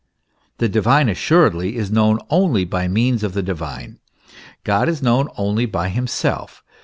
The divine assuredly is known only by means of the divine God is known only by himself.